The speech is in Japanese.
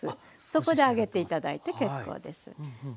そこで上げて頂いて結構です。